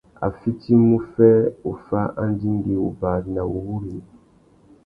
A fitimú fê uffá andingui, wubari nà wuwúrrini.